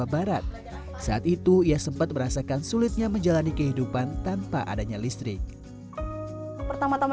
barat saat itu ia sempat merasakan sulitnya menjalani kehidupan tanpa adanya listrik pertama tama